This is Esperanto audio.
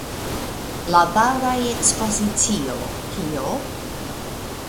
La daŭra ekspozicio "Kio?